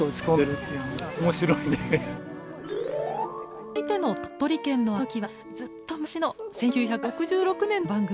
続いての鳥取県のあのときはずっと昔の１９６６年の番組。